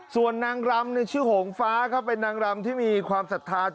ส่วนนางล้ำชื่อหงฟ้าเป็นนางล้ำที่มีความสะทาต่อ